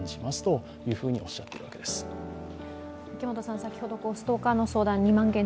先ほどストーカーの相談２万件値